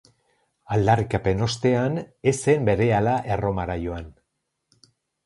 Aldarrikapen ostean ez zen berehala Erromara joan.